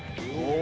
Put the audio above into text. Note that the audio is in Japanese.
お！